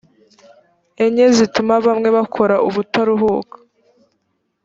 enye zituma bamwe bakora ubutaruhuka